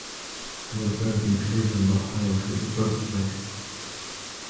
He was buried in Cleveland, Ohio, his birthplace.